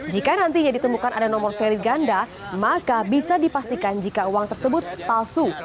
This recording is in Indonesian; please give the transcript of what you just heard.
jika nantinya ditemukan ada nomor seri ganda maka bisa dipastikan jika uang tersebut palsu